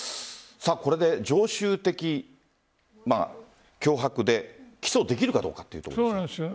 これで常習的脅迫で起訴できるかどうかというところ。